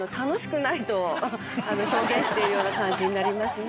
しているような感じになりますね。